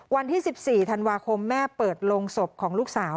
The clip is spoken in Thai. วันที่๑๔ธันวาคมแม่เปิดโรงศพของลูกสาว